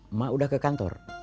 emak udah ke kantor